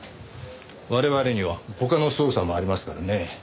我々には他の捜査もありますからね。